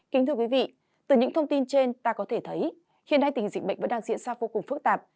kính thưa quý vị từ những thông tin trên ta có thể thấy hiện nay tình dịch bệnh vẫn đang diễn ra vô cùng phức tạp